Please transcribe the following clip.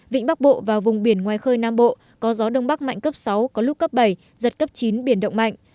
vĩnh bắc bộ và vùng biển ngoài khơi nam bộ có gió đông bắc mạnh cấp sáu có lúc cấp bảy giật cấp chín biển động mạnh